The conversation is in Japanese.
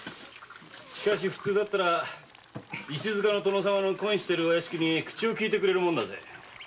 しかし普通なら石塚の殿様と懇意にしているお屋敷に口をきいてくれるもんだぜ。